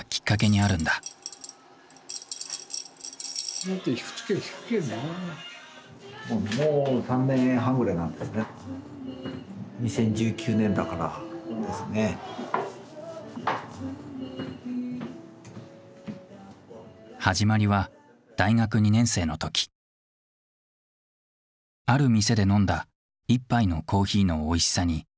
ある店で飲んだ１杯のコーヒーのおいしさに胸が震えた。